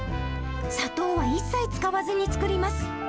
砂糖は一切使わずに作ります。